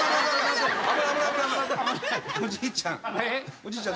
おじいちゃん。